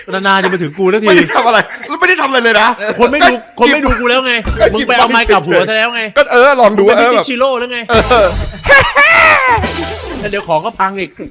แล้วเดี๋ยวของก็พังอีก